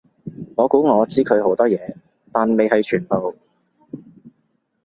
我估我知佢好多嘢，但未係全部